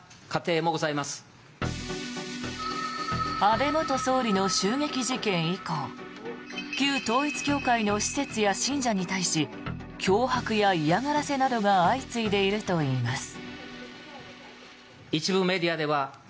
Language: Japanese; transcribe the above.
安倍元総理の襲撃事件以降旧統一教会の施設や信者に対し脅迫や嫌がらせなどが相次いでいるといいます。